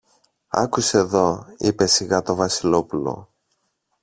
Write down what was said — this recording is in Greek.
Άκουσε δω, είπε σιγά το Βασιλόπουλο